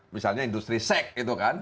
misalnya industri seks itu kan